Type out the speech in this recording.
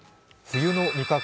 冬の味覚